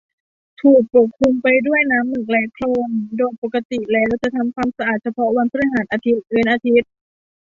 ถูกปกคลุมไปด้วยน้ำหมึกและโคลนโดยปกติแล้ว จะทำความสะอาดเฉพาะวันพฤหัส อาทิตย์เว้นอาทิตย์